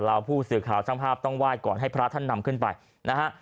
ผู้สื่อข่าวช่างภาพต้องไหว้ก่อนให้พระท่านนำขึ้นไปนะฮะ